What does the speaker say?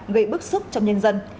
gây bức xúc trong nhân dân